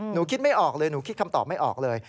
คิดไม่ออกเลยหนูคิดคำตอบไม่ออกเลย